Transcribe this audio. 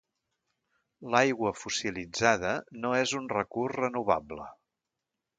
L'aigua fossilitzada no és un recurs renovable.